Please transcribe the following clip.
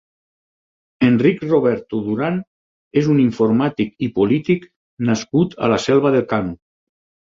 Enric Roberto Duran és un informàtic i polític nascut a la Selva del Camp.